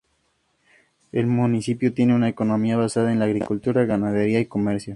El municipio tiene una economía basada en la agricultura, ganadería y comercio.